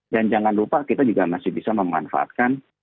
dan jangan lupa kita juga masih bisa memanfaatkan